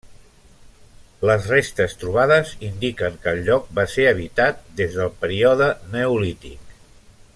Les restes trobades indiquen que el lloc va ser habitat des del període neolític.